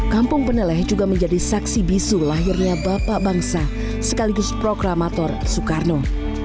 kampung peneleh juga menjadi saksi bisu lahirnya bapak bangsa sekaligus proklamator soekarno